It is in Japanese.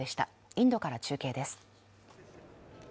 インドから中継です。